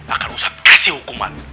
akan ustadz kasih hukuman